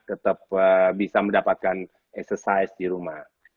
tetap bisa mendapatkan exercise di rumah